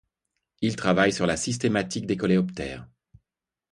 Il travaille sur la systématique des coléoptères.